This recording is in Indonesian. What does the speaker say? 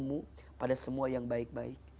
mu pada semua yang baik baik